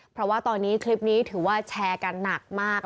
เพราะว่าตอนนี้คลิปนี้ถือว่าแชร์กันหนักมาก